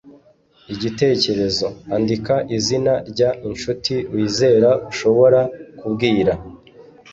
Igitekerezo andika izina ry incuti wizera ushobora kubwira